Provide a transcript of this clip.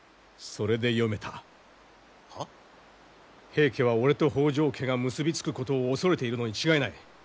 平家は俺と北条家が結び付くことを恐れているのに違いない。